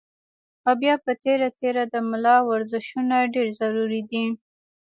او بيا پۀ تېره تېره د ملا ورزشونه ډېر ضروري دي